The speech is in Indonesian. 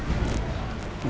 kamu tuh memiliki istri